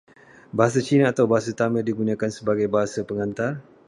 Bahasa Cina atau Bahasa Tamil digunakan sebagai bahasa pengantar.